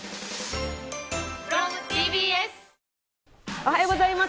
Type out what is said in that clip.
おはようございます。